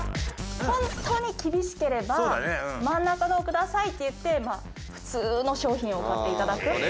ホントに厳しければ「真ん中のをください」と言って普通の商品を買って頂くという。